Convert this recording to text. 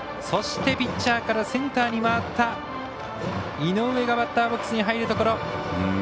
そして、ピッチャーからセンターに回った井上がバッターボックスに入るところ。